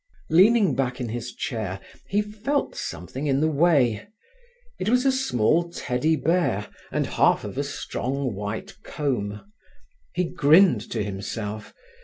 Leaning back in his chair, he felt something in the way. It was a small teddy bear and half of a strong white comb. He grinned to himself.